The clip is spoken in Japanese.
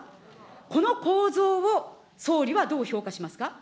この構造を総理はどう評価しますか。